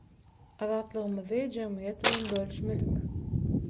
Azatlygymyzy jemgyýet bilen bölüşmedik.